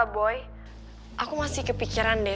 boy aku masih kepikiran deh